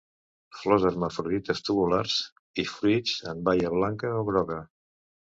Flors hermafrodites tubulars i fruit en baia blanca o groga.